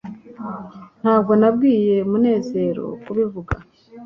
ntabwo nabwiye munezero kubivuga